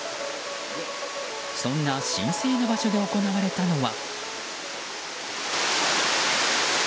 そんな神聖な場所で行われたのは。